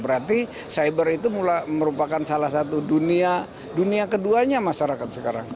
berarti cyber itu merupakan salah satu dunia keduanya masyarakat sekarang